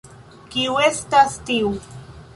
Kiu estas tiu?